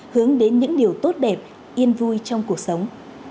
hướng đến những điều tốt đẹp yên vui trong cuộc sống